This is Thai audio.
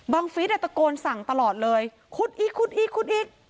ฟิศตะโกนสั่งตลอดเลยขุดอีกขุดอีกขุดอีก